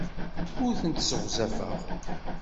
Ur tent-sseɣzafeɣ.